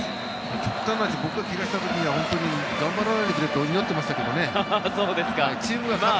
極端な話僕が怪我をした時には本当に頑張らないでくれと祈ってましたけどね。